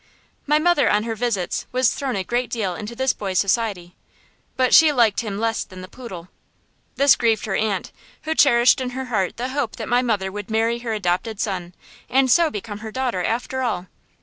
My mother, on her visits, was thrown a great deal into this boy's society, but she liked him less than the poodle. This grieved her aunt, who cherished in her heart the hope that my mother would marry her adopted son, and so become her daughter after all.